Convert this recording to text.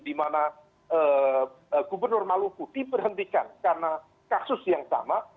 dimana gubernur maluku diperhentikan karena kasus yang sama